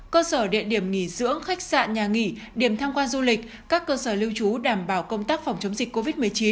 cơ sở địa điểm nghỉ dưỡng khách sạn nhà nghỉ điểm tham quan du lịch các cơ sở lưu trú đảm bảo công tác phòng chống dịch covid một mươi chín